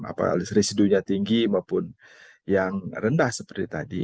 apakah residunya tinggi maupun yang rendah seperti tadi